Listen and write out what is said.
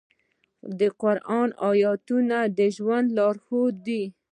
د قرآن آیاتونه د ژوند لارښود دي.